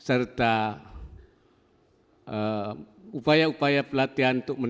memulai kursus kursus yang bisa diaplikasi dengan digital baik kursus yang sifatnya kepintaran kecakapan maupun kebugaran